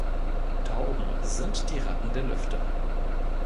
Tauben sind die Ratten der Lüfte.